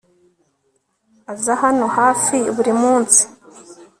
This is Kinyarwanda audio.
Aza hano hafi buri munsi